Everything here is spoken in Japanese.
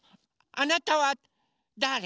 あなたはだれ？